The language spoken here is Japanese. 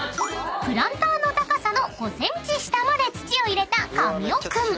［プランターの高さの５ｃｍ下まで土を入れた神尾君］